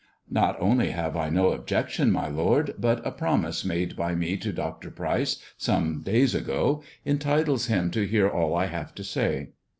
" Not only have I no objection, my lord, but a promise ade by me to Dr. Pryce some days ago entitles him to ar all I have to tell."